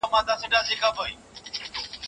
ډاکټر زیار د ژبپوهنې په برخه کي پیاوړی دئ.